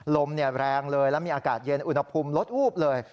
ลมแรงเลยแล้วมีอากาศเย็นอุณหภูมิลดวูบเลย